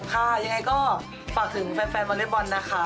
ค่ะยังไงก็ฝากถึงแฟนบอร์เรดีโบนนะคะ